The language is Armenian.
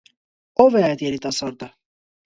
- Ո՞վ է այդ երիտասարդը: